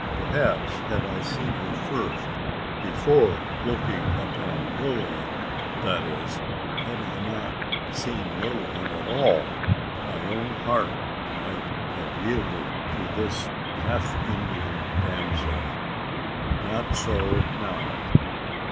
Perhaps, had I seen her first before looking upon Lilian that is, had I not seen Lilian at all my own heart might have yielded to this half Indian damsel? Not so now.